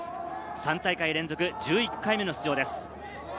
３大会連続１１回目の出場です。